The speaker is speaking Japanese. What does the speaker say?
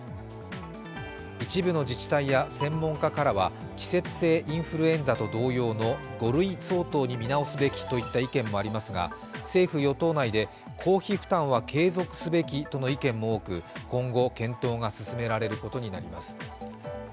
一部の自治体や専門家からは季節性インフルエンザと同様の５類相当に見直すべきといった意見もありますが政府・与党内で、公費負担は継続すべきとの意見も多く今後、検討が進められることになります。